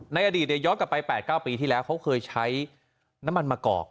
ในอดีตย้อนกลับไป๘๙ปีที่แล้วเขาเคยใช้น้ำมันมะกอก